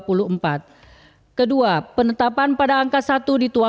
percayaan dari anggota dewan perwakilan rakyat dan dewan perwakilan daerah provinsi dan dewan perwakilan daerah